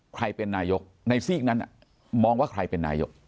ใครเป็นนายกในซีกนั้นมองว่าใครเป็นนายก